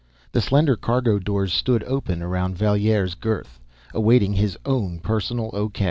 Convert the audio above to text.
The slender cargo doors stood open around Valier's girth, awaiting his own personal O.